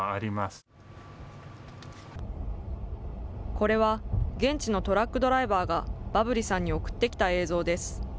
これは、現地のトラックドライバーが、バブリさんに送ってきた映像です。